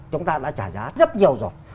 chúng ta đã trả giá rất nhiều rồi